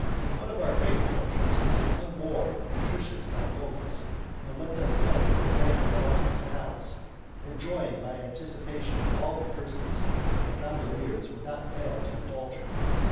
One of our favourite pleasures was to unmoor the patricians' gondolas, and to let them float at random along the canals, enjoying by anticipation all the curses that gondoliers would not fail to indulge in.